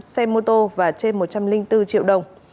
hai mươi năm xe mô tô và trên một trăm linh bốn triệu đồng